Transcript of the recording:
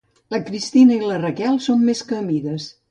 La Cristina i la Raquel són més que amigues.